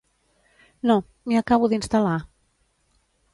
No, m'hi acabo d'instal·lar.